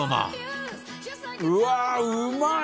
うわーうまい！